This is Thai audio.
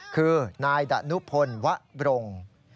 คือนายดะนุพลวะบรง